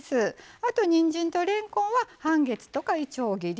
あと、にんじんれんこんは半月とかいちょう切り。